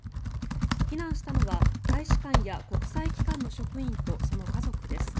避難したのは大使館や国際機関の職員とその家族です。